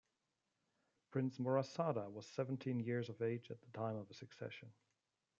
Prince Morasada was seventeen years of age at the time of the succession.